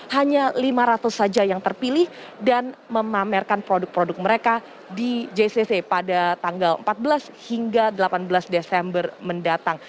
hanya lima ratus saja yang terpilih dan memamerkan produk produk mereka di jcc pada tanggal empat belas hingga delapan belas desember mendatang